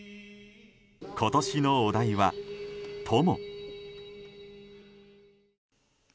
今年のお題は「友」。